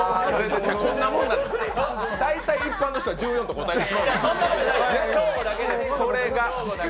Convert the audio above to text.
大体一般の人は１４と答える。